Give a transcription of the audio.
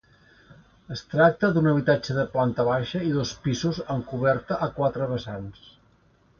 Es tracta d'un habitatge de planta baixa i dos pisos amb coberta a quatre vessants.